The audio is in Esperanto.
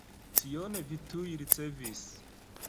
Tion vi tuj ricevis.